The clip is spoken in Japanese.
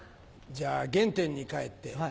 じゃあ原点に返って。